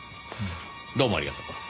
どうもありがとう。